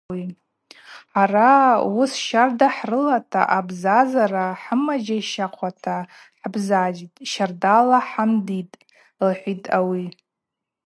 Хӏара уыс щарда хӏрылата, абзазара хӏымаджьащахъвата хӏбзазитӏ, щардала хӏамдитӏ, – лхӏвитӏ ауи.